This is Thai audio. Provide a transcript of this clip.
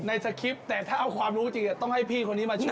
สคริปต์แต่ถ้าเอาความรู้จริงต้องให้พี่คนนี้มาช่วย